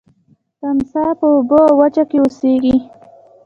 تمساح په اوبو او وچه کې اوسیږي